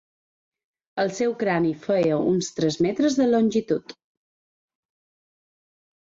El seu crani feia uns tres metres de longitud.